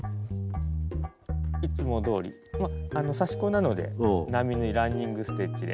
いつもどおりまあ刺し子なので並縫いランニング・ステッチで。